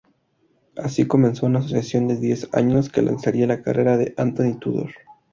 Así comenzó una asociación de diez años que lanzaría la carrera de Antony Tudor.